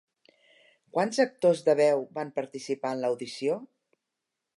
Quants actors de veu van participar en l'audició?